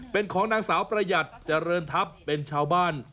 เป็นของนางสาวประหยัดเจริญทัพเป็นชาวบ้าน